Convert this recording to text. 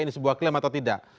ini sebuah klaim atau tidak